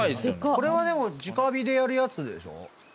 これはでもじか火でやるやつでしょ。